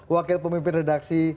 wakil pemimpin redaksi